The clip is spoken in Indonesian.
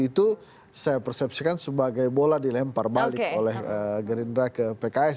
itu saya persepsikan sebagai bola dilempar balik oleh gerindra ke pks